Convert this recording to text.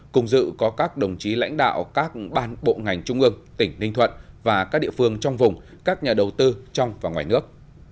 cùng dự có các đồng chí lãnh đạo các bàn bộ ngành trung ương tỉnh ninh thuận và các địa phương trong vùng các nhà đầu tư trong và ngoài nước